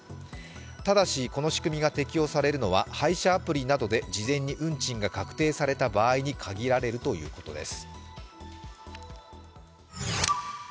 ただしこの仕組みが適用されるのは配車アプリなどで事前に運賃が確定された場合に限られるということです。